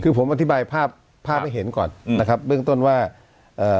คือผมอธิบายภาพภาพให้เห็นก่อนอืมนะครับเบื้องต้นว่าเอ่อ